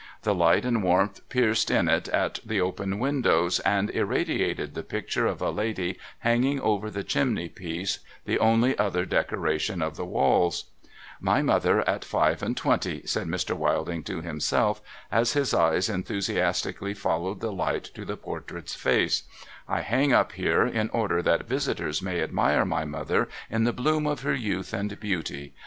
The ligiit and warmth pierced in at the open windows, and irradiated the picture of a lady hanging over the chimney piece, the only other decoration of the walls. INTERVIEWING THE CANDIDATES 483 _' My mother at five and twenty,' said Mr, Wilding to himself, as his eyes enthusiastically followed the light to the portrait's face,' ' I hang up here, in order that visitors may admire my mother in the bloom of her youth and beauty.